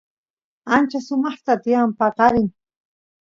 ancha sumaqta tiyan paqarin